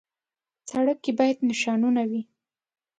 سړک کې باید نښانونه وي.